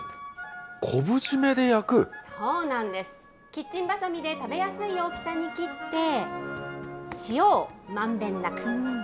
キッチンバサミで食べやすい大きさに切って、塩をまんべんなく。